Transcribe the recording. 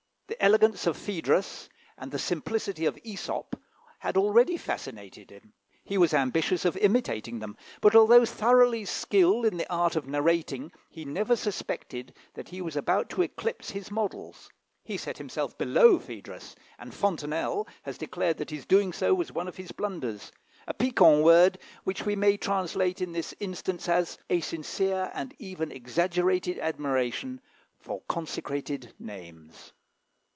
The elegance of Phædrus and the simplicity of Æsop had already fascinated him he was ambitious of imitating them; but although thoroughly skilled in the art of narrating, he never suspected that he was about to eclipse his models. He set himself below Phædrus, and Fontenelle has declared that his doing so was one of his blunders a piquant word, which we may translate in this instance as "a sincere and even exaggerated admiration for consecrated names."